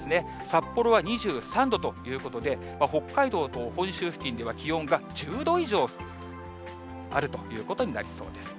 札幌は２３度ということで、北海道と本州付近では気温が１０度以上あるということになりそうです。